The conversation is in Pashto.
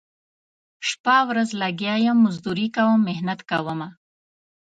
شپه ورځ لګیا یم مزدوري کوم محنت کومه